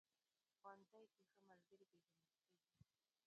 ښوونځی کې ښه ملګري پېژندل کېږي